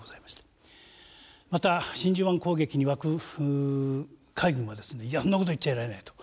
また真珠湾攻撃に沸く海軍はいやそんな事言っちゃいられないと。